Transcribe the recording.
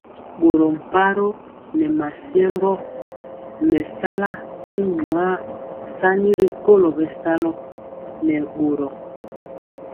Boro pmaroo nɛ masiembö mesala y nyuar sani rikolo bɛsali nɛ boro.